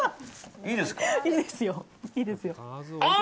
いいですか。